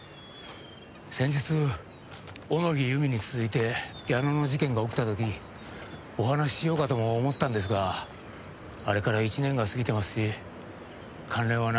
先日小野木由美に続いて矢野の事件が起きた時お話ししようかとも思ったんですがあれから１年が過ぎてますし関連はないと思ったもので。